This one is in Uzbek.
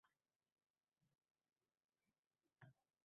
Chunki bunda isteʼmolchi pulini rozi bo‘lib beradi.